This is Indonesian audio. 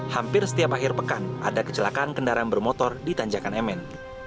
hampir setiap akhir pekan ada kecelakaan kendaraan bermotor di tanjakan mn